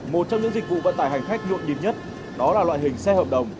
một trong những dịch vụ vận tải hành khách nhộn nhịp nhất đó là loại hình xe hợp đồng